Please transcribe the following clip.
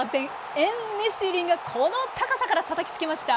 エンネシリがこの高さからたたきつけました。